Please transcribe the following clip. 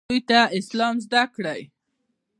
دوی ته اسلام زده کړئ